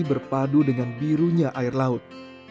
berpadu dengan birunya air laut